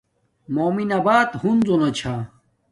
مومن آبات ہنزو نا چھا